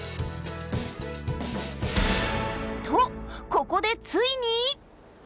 ここでついに！